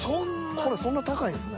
これそんな高いんですね。